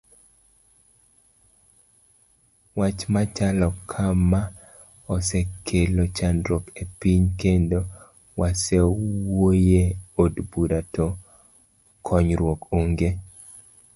Wch machalo kama osekelo chandruok ne piny kendo wasewuoye od bura to konyruok onge.